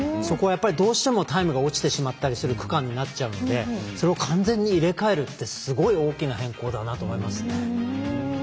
そこ、やっぱりどうしてもタイムが落ちてしまったりする区間になるので完全に入れ替えるってすごい大きな変更だなと思いますね。